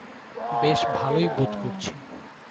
বেশ ভালই বোধ করছি।